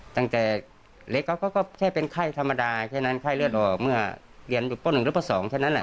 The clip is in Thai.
ตั้งแต่เล็กเขาก็แค่เป็นไข้ธรรมดาแค่นั้นไข้เลือดออกเมื่อเรียนอยู่ป๑หรือป๒แค่นั้นแหละ